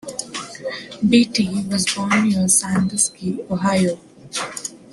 Beatty was born near Sandusky, Ohio.